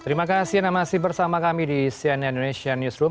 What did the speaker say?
terima kasih anda masih bersama kami di cnn indonesia newsroom